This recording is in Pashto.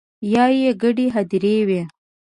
یا يې ګډې هديرې وي